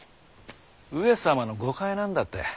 上様の誤解なんだって。